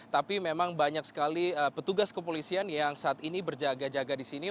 tapi memang banyak sekali petugas kepolisian yang saat ini berjaga jaga di sini